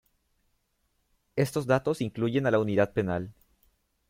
Estos datos incluyen a la Unidad Penal.